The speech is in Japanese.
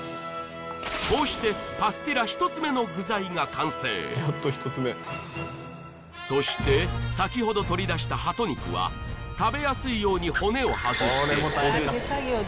こうしてパスティラ１つ目の具材が完成そしてさきほど取り出したハト肉は食べやすいように骨を外してほぐす